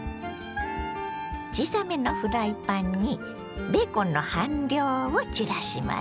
小さめのフライパンにベーコンの半量を散らします。